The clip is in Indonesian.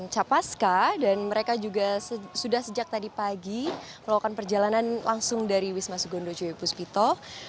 capaska dan mereka juga sudah sejak tadi pagi melakukan perjalanan langsung dari wisma sugondo joyo puspito